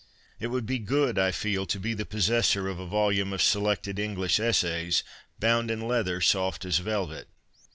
It would be good, I feel, to be the possessor of a volume of Selected English Essays bound in ' leather soft as velvet.'